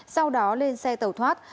sau đó lên xe tàu thoát